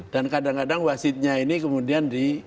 dan kadang kadang wasitnya ini kemudian di